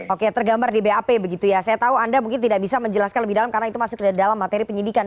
oke tergambar di bap begitu ya saya tahu anda mungkin tidak bisa menjelaskan lebih dalam karena itu masuk ke dalam materi penyidikan